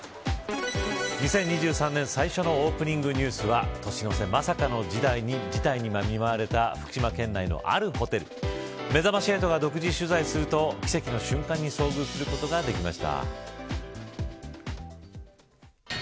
２０２３年最初のオープニングニュースは年の瀬、まさかの事態に見舞われた福島県のあるホテルめざまし８が独自取材すると奇跡の瞬間に遭遇することができました。